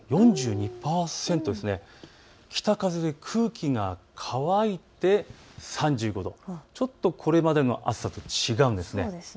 北風で空気が乾いて３５度、ちょっとこれまでの暑さと違うんです。